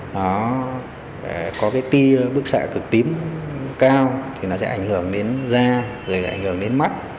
nó có cái tia bức xạ cực tím cao thì nó sẽ ảnh hưởng đến da rồi lại ảnh hưởng đến mắt